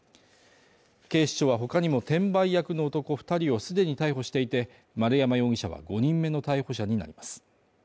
警視庁は他にも転売役の男２人を既に逮捕していて、丸山容疑者は５人目の逮捕者になります。